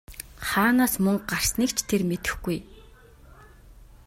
Хаанаас мөнгө гарсныг ч тэр мэдэхгүй!